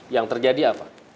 yang terjadi apa